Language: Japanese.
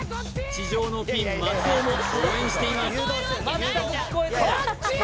地上のピン松尾も応援しています